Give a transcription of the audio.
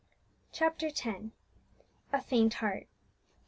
CHAPTER X. A FAINT HEART.